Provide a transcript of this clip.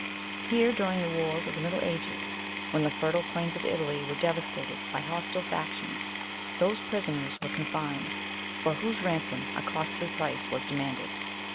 Here, during the wars of the middle ages, when the fertile plains of Italy were devastated by hostile factions, those prisoners were confined, for whose ransom a costly price was demand ed.